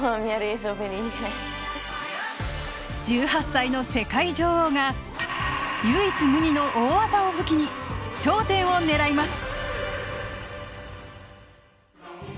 １８歳の世界女王が唯一無二の大技を武器に頂点を狙います。